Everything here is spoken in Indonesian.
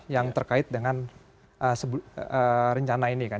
yang terkait dengan rencana ini kan